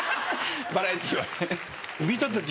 バラエティーはね。